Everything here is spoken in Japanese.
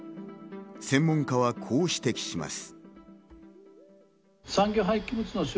専門家はこう指摘します。